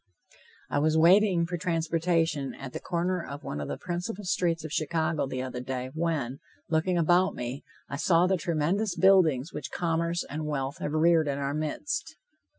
I was waiting for transportation at the corner of one of the principal streets of Chicago, the other day, when, looking about me, I saw the tremendous buildings which commerce and wealth have reared in our midst.